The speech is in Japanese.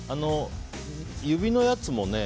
指のやつもね